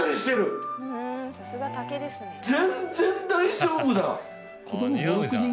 全然大丈夫だ。